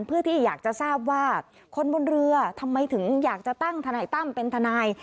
เพื่อที่อยากจะทราบว่าคนบนเรือทำไมถึงอยากจะตั้งทนายตั้มเป็นทนาย